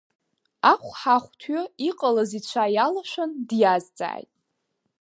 Ахәҳахәҭҩы, иҟалаз ицәа иалашәан диазҵааит…